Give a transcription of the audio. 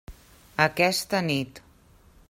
Aquesta nit.